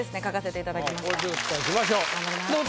書かせていただきました。